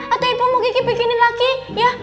atau ibu mau gigi bikinin lagi ya